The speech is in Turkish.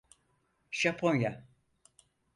Japonya…